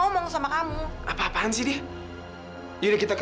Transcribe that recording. aku di rumah kamu saya mau nanti homeless gitu